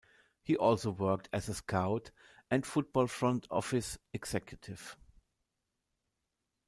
He also worked as a scout and football front office executive.